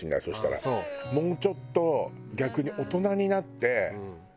もうちょっと逆に大人になって。